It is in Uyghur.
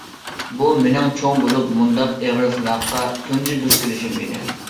بۇ مېنىڭ چوڭ بولۇپ مۇنداق ئېغىر سىناققا تۇنجى دۇچ كېلىشىم ئىدى.